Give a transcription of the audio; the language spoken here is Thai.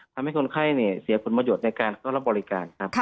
ทำให้คนไข้เนี่ยเสียคุณมโยชน์ในการต้องรับบริการครับ